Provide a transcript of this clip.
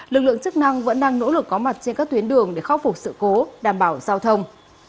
lực lượng chức năng vẫn đang nỗ lực có mặt trên các tuyến đường để khắc phục sự cố đảm bảo giao thông